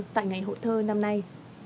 tại ngày hộ thơ năm nay